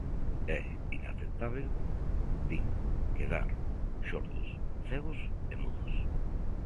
É inaceptábel, din, quedar xordos, cegos e mudos.